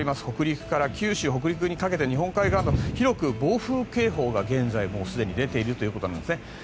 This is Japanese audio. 北陸から九州にかけて日本海側、広く暴風警報が現在出ているということです。